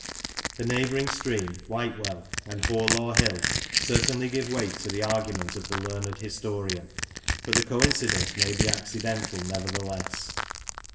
The neighbouring stream, Whitewell, and Horelaw Hill certainly give weight to the argument of the learned historian, but the coincidence may be accidental, nevertheless.